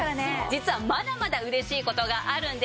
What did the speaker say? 実はまだまだ嬉しい事があるんです。